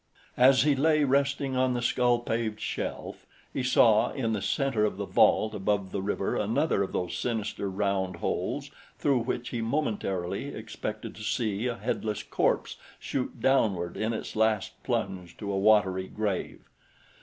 As he lay resting on the skull paved shelf, he saw in the center of the vault above the river another of those sinister round holes through which he momentarily expected to see a headless corpse shoot downward in its last plunge to a watery grave.